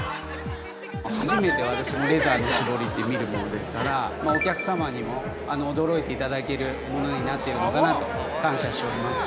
◆初めて私もレザーの絞りって見るものですから、お客様にも驚いていただけるものになっているのかなと感謝しております。